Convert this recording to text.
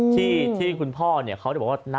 ที่คุณคุณพ่อเนี่ยเขาได้บอกว่า